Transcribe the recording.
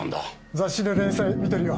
雑誌で連載見てるよ。